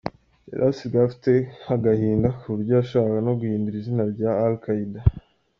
Yari asigaye afite agahinda kuburyo yashakaga no guhindura izina rya Al Qaida.